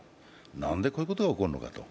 何でこういうことが起こるのかと。